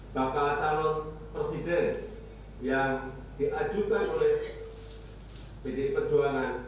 bakal calon presiden yang diajukan oleh pdi perjuangan